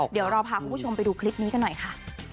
เดี๋ยวเราพาคุณผู้ชมไปดูคลิปนี้กันหน่อยค่ะ